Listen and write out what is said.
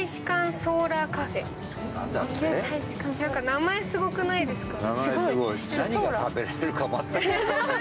名前すごくないですか？